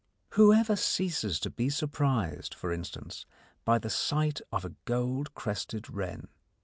Whoever ceases to be surprised, for instance, by the sight of a goldcrested wren?